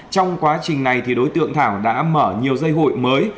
trong quá trình này đối tượng thảo đã mở nhiều dây hụi mới